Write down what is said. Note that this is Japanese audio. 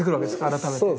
改めて。